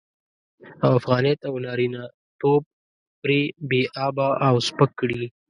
او افغانيت او نارينه توب پرې بې آبه او سپک کړي.